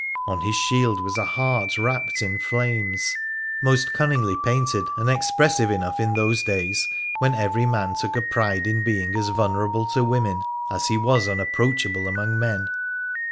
On his shield was a heart wrapped in flames, most cunningly painted, and expressive enough in those days, when every man took a pride in being as vulnerable to women as he was unapproachable among men.